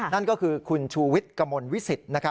นั่นก็คือคุณชูวิทย์กระมวลวิสิต